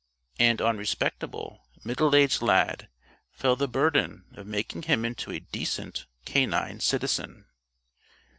And on respectable, middle aged Lad fell the burden of making him into a decent canine citizen.